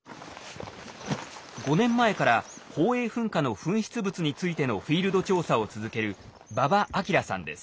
５年前から宝永噴火の噴出物についてのフィールド調査を続ける馬場章さんです。